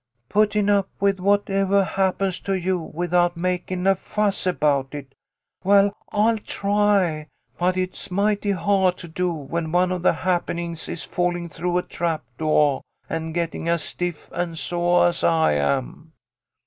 "' Puttin' up with whatevah happens to you, without makin' a fuss about it.' Well, I'll try, but it's mighty hard to do when one of the happenings is fallin' through a trap doah, and gettin' as stiff and soah as I am."